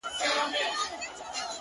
وينه د وجود مي ده ژوندی يم پرې”